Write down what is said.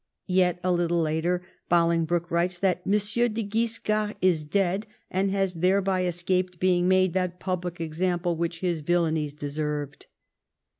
Yet a little later Bolingbroke writes that '^ M. de Guiscard is dead, and has thereby escaped being made that public example which his villanies deserved."